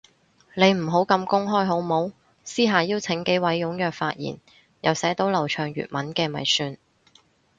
你唔好咁公開好冇，私下邀請幾位踴躍發言又寫到流暢粵文嘅咪算